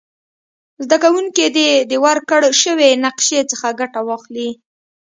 زده کوونکي دې د ورکړ شوې نقشي څخه ګټه واخلي.